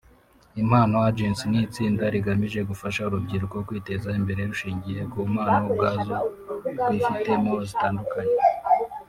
Impano Agency ni itsinda rigamije gufasha urubyiruko kwiteza imbere rushingiye ku mpano ubwazo rwifitemo zitandukanye